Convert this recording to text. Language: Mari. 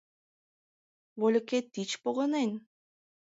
Вольыкет тич погынен?